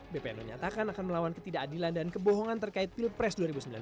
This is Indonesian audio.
bpn menyatakan akan melawan ketidakadilan dan kebohongan terkait pilpres dua ribu sembilan belas